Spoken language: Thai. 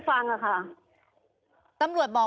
ของตำรวจบอก